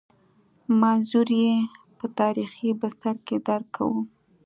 منظور یې په تاریخي بستر کې درک کوو.